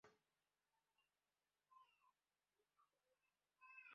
আপনার ধারণা, ঈশ্বর আপনাকে বাঁচাবে?